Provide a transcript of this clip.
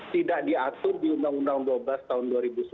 tidak diatur di undang undang dua belas tahun dua ribu sebelas